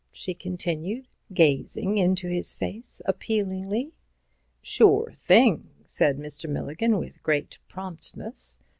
she continued, gazing into his face appealingly. "Sure thing," said Mr. Milligan, with great promptness.